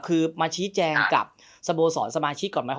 คือมาชี้แจงกับสโมสรสมาชิกก่อนไหม